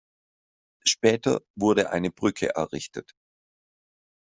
Später wurde eine Brücke errichtet.